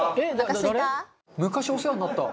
「昔お世話になった」